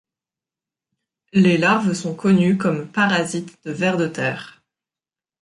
Les larves sont connues comme parasites de vers de terre.